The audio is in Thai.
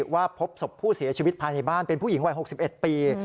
ว่าพบศพผู้เสียชีวิตภายในบ้านเป็นผู้หญิงวัย๖๑ปี